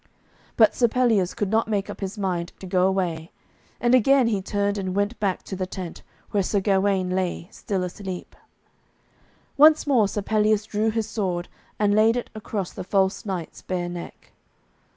But Sir Pelleas could not make up his mind to go away, and again he turned and went back to the tent, where Sir Gawaine lay, still asleep. Once more Sir Pelleas drew his sword, and laid it across the false knight's bare neck.